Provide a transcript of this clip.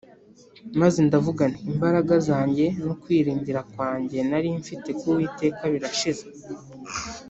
Maze ndavuga nti“Imbaraga zanjye no kwiringira kwanjye nari mfite ku Uwiteka, birashize.”